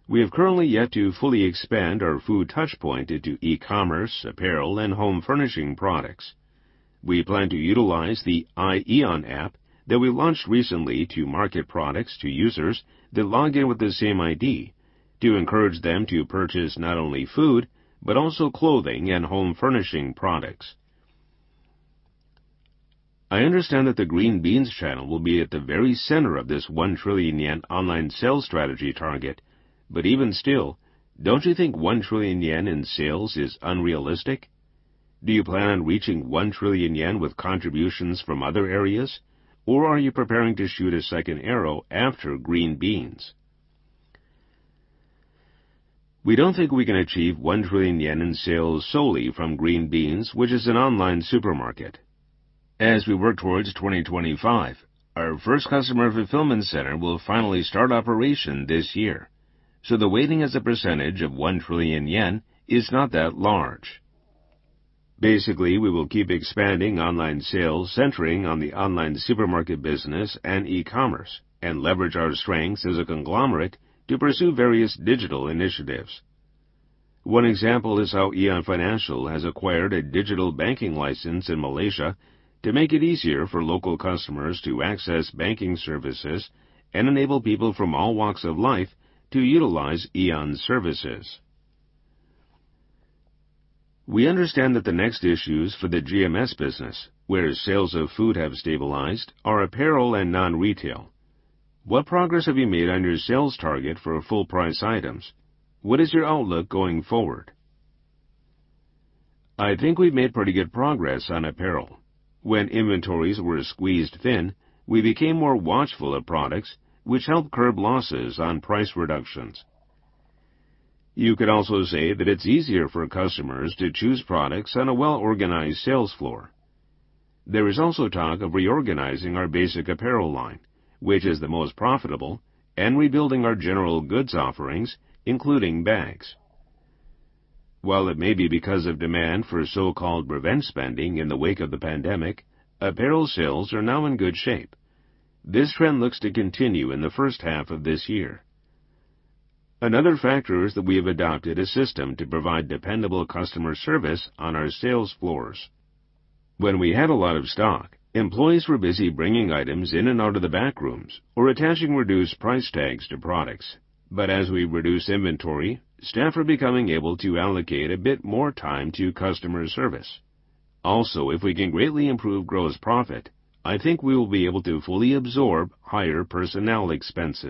We have currently yet to fully expand our food touchpoint into e-commerce, apparel, and home furnishing products. We plan to utilize the iAEON app that we launched recently to market products to users that log in with the same ID to encourage them to purchase not only food, but also clothing and home furnishing products. I understand that the Green Beans channel will be at the very center of this 1 trillion yen online sales strategy target. Even still, don't you think 1 trillion yen in sales is unrealistic? Do you plan on reaching 1 trillion yen with contributions from other areas, or are you preparing to shoot a second arrow after Green Beans? We don't think we can achieve 1 trillion yen in sales solely from Green Beans, which is an online supermarket. As we work towards 2025, our first customer fulfillment center will finally start operation this year. The weighting as a percentage of 1 trillion yen is not that large. We will keep expanding online sales centering on the online supermarket business and e-commerce, and leverage our strengths as a conglomerate to pursue various digital initiatives. One example is how Aeon Financial has acquired a digital banking license in Malaysia to make it easier for local customers to access banking services and enable people from all walks of life to utilize Aeon's services. We understand that the next issues for the GMS business, where sales of food have stabilized, are apparel and non-retail. What progress have you made on your sales target for full price items? What is your outlook going forward? I think we've made pretty good progress on apparel. When inventories were squeezed thin, we became more watchful of products which helped curb losses on price reductions. You could also say that it's easier for customers to choose products on a well-organized sales floor. There is also talk of reorganizing our basic apparel line, which is the most profitable, and rebuilding our general goods offerings, including bags. It may be because of demand for so-called revenge spending in the wake of the pandemic, apparel sales are now in good shape. This trend looks to continue in the first half of this year. Another factor is that we have adopted a system to provide dependable customer service on our sales floors. When we had a lot of stock, employees were busy bringing items in and out of the back rooms or attaching reduced price tags to products. As we reduce inventory, staff are becoming able to allocate a bit more time to customer service. Also, if we can greatly improve gross profit, I think we will be able to fully absorb higher personnel expenses.